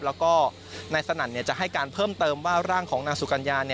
แล้วก็นายสนั่นจะให้การเพิ่มเติมว่าร่างของนางสุกัญญา